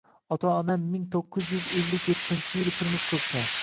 Ota-onam ming to’qqiz yuz ellik yettinchi yili turmush qurishgan.